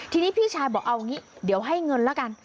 ทีนี้พี่ชายบอกเอางี้เดี๋ยวให้เงินละกัน